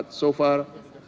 tapi sejauh ini